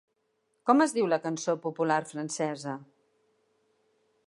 Com es diu la cançó popular francesa?